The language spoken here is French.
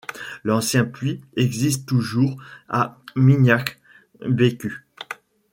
L'ancien puits existe toujours à Minyak Beku.